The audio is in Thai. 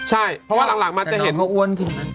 ใช่เพราะว่าหลังมาจะเห็น